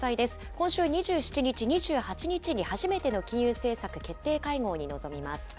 今週２７日、２８日に初めての金融政策決定会合に臨みます。